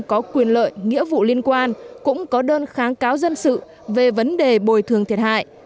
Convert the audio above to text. có quyền lợi nghĩa vụ liên quan cũng có đơn kháng cáo dân sự về vấn đề bồi thường thiệt hại